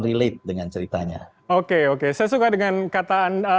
relate dengan ceritanya oke oke saya suka dengan kata anda